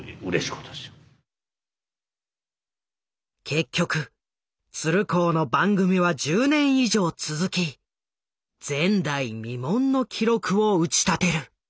結局鶴光の番組は１０年以上続き前代未聞の記録を打ち立てる。